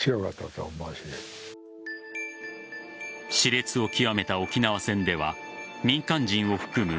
熾烈を極めた沖縄戦では民間人を含む